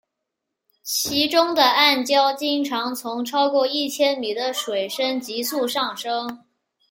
其中的暗礁经常从超过一千米的水深急速上升。